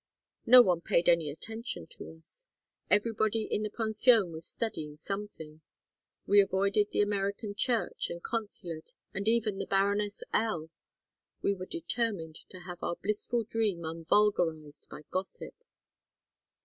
No one paid any attention to us. Everybody in the pension was studying something; we avoided the American church and consulate and even the Baroness L. We were determined to have our blissful dream unvulgarized by gossip.